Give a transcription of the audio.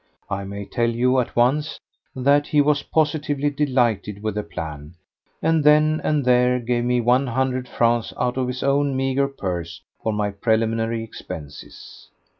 I may tell you at once that he was positively delighted with the plan, and then and there gave me one hundred francs out of his own meagre purse for my preliminary expenses.